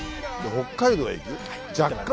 北海道へ行く？